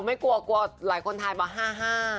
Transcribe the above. ไม่กลัวกลัวหลายคนทายมา๕๕